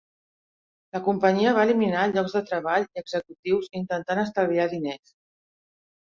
La companyia va eliminar llocs de treball i executius intentant estalviar diners.